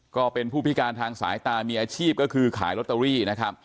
ก็เป็นผู้พิการทางสายตามีอาชีพก็คือขายลอตเตอรี่นะครับ